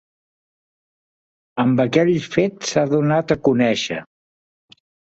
Amb aquell fet s'ha donat a conèixer.